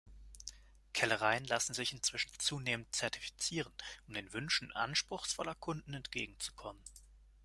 Kellereien lassen sich inzwischen zunehmend zertifizieren, um den Wünschen anspruchsvoller Kunden entgegenzukommen.